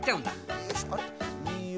よいしょあれ？よ。